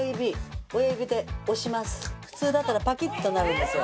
普通だったらパキッとなるんですよ。